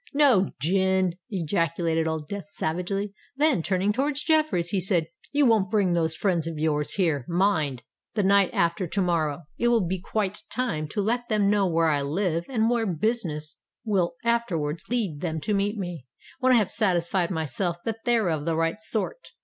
"No—gin!" ejaculated Old Death savagely: then, turning towards Jeffreys, he said, "You won't bring those friends of yours here, mind, the night after to morrow: it will be quite time to let them know where I live and where business will afterwards lead them to meet me, when I have satisfied myself that they are of the right sort."